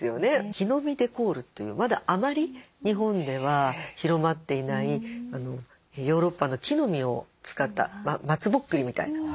木の実デコールというまだあまり日本では広まっていないヨーロッパの木の実を使ったまつぼっくりみたいな。